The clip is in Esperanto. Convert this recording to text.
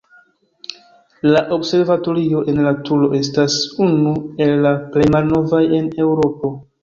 La observatorio en la turo estas unu el la plej malnovaj en Eŭropo.